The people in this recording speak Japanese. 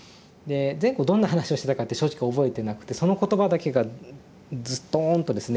前後どんな話をしてたかって正直覚えてなくてその言葉だけがズトーンとですね